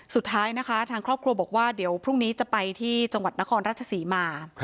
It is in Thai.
สุดท้ายนะคะทางครอบครัวบอกว่าเดี๋ยวพรุ่งนี้จะไปที่จังหวัดนครราชศรีมา